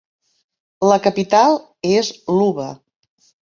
La capital és Luba.